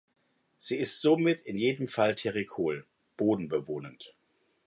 Sie ist somit in jedem Falle terricol (bodenbewohnend).